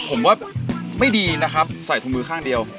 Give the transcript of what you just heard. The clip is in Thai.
ผมว่าไม่ดีนะครับใส่ถุงมือข้างเดียว